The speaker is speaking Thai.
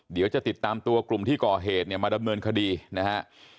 เดี๋ยวจะติดตามตัวกลุ่มที่ก่อเหตุเนี่ยมาดำเนินคดีนะฮะ